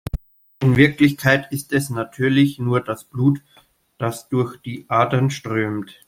In Wirklichkeit ist es natürlich nur das Blut, das durch die Adern strömt.